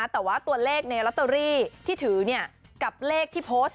แต่ว่าตัวเลขในลอตเตอรี่ที่ถือกับเลขที่โพสต์